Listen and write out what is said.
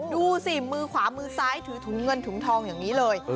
ดูสิมือขวามือซ้ายถือถุงเงินถุงทองอย่างนี้เลย